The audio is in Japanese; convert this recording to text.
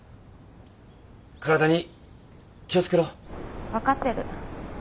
体に気を付けろ。分かってる。